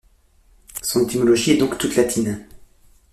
Son étymologie est donc toute latine.